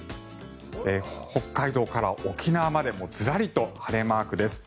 北海道から沖縄までずらりと晴れマークです。